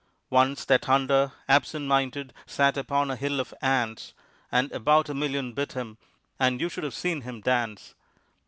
Once that hunter, absent minded, sat upon a hill of ants, and about a million bit him, and you should have seen him dance!